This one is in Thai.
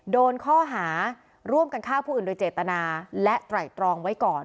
โดนข้อหาร่วมกันฆ่าผู้อื่นโดยเจตนาและไตรตรองไว้ก่อน